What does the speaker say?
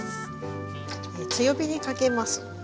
強火にかけます。